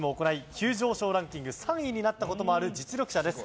急上昇ランキング３位になったこともある実力者です。